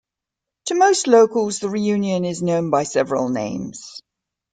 To most locals, the reunion is known by several names.